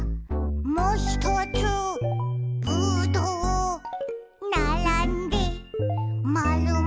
「もひとつぶどう」「ならんでまるまる」